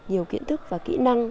nhiều kiến thức và kỹ năng